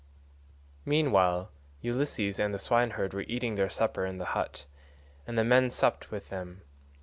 Meanwhile Ulysses and the swineherd were eating their supper in the hut, and the men supped with them.